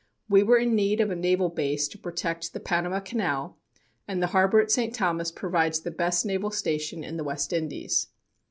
We were in need of a naval base to protect the Panama Canal, and the harbor at St. Thomas provides the best naval station in the West Indies.